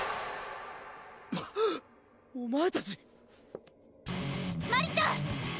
お前たちマリちゃん！